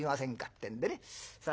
てんでねさあ